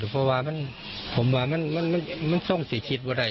แล้วคุยกับลูกชายก็ได้